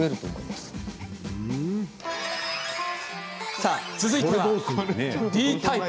さあ続いてはＤタイプ。